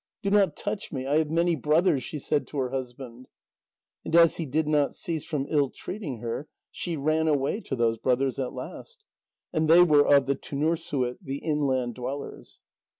"Do not touch me; I have many brothers," she said to her husband. And as he did not cease from ill treating her, she ran away to those brothers at last. And they were of the tunerssuit, the inland dwellers.